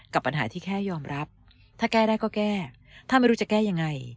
กับปัญหาที่แค่ยอมรับถ้าแก้ได้ก็แก้ถ้าไม่รู้จะแก้ยังไง